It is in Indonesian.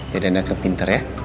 jadi anak yang pintar ya